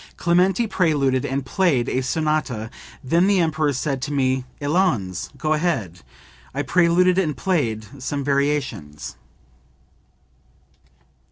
"Clementi preluded and played a sonata; then the Emperor said to me, 'Allons, go ahead.' I preluded and played some variations.")